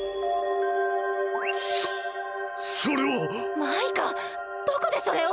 そそれは！マイカどこでそれを！？